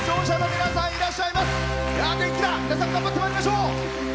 皆さん、頑張ってまいりましょう。